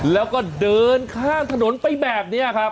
แล้วก็เดินข้ามถนนไปแบบนี้ครับ